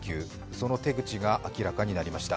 その手口が明らかになりました。